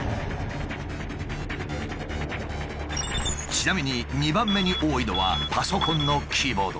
ちなみに２番目に多いのはパソコンのキーボード。